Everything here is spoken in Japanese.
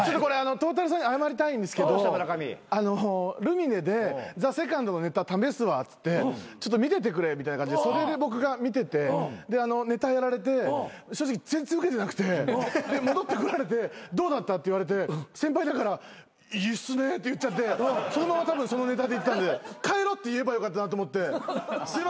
トータルさんに謝りたいんですけどルミネでＴＨＥＳＥＣＯＮＤのネタ試すわっつってちょっと見ててくれみたいな感じで袖で僕が見ててでネタやられて正直全然ウケてなくて戻ってこられてどうだったって言われて先輩だからいいっすねって言っちゃってそのままたぶんそのネタでいったんで変えろって言えばよかったなと思ってすいません。